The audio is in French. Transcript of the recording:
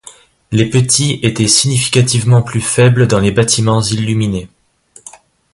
Les petits étaient significativement plus faibles dans les bâtiments illuminés.